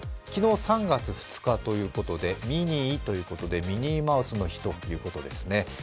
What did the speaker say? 昨日、３月２日ということでミニーということでミニーマウスの日ということですね。